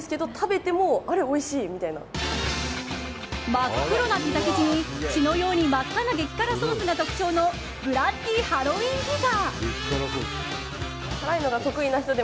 真っ黒なピザ生地に血のように真っ赤な激辛ソースが特徴のブラッディハロウィンピザ。